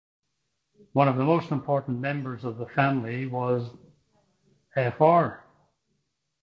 One of the most important members of the family was fr.